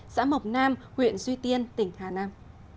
xã mộc nam huyện duy tiên tỉnh hà nam